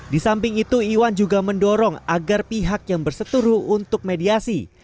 di samping itu iwan juga mendorong agar pihak yang berseturu untuk mediasi